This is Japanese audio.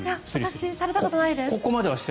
私、されたことないです。